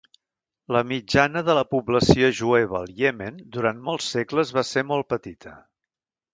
La mitjana de la població jueva al Iemen durant molts segles va ser molt petita.